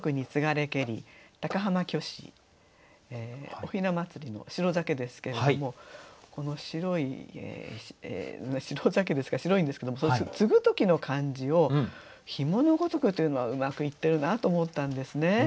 おひな祭りの白酒ですけれどもこの白い白酒ですから白いんですけどもつぐ時の感じを「紐の如く」というのはうまく言ってるなと思ったんですね。